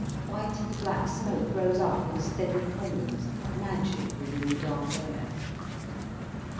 White and black smoke rose up in steady columns, magic within the dark air.